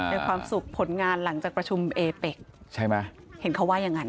เป็นความสุขผลงานหลังจากประชุมเอเป็กใช่ไหมเห็นเขาว่าอย่างนั้น